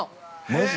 マジ！？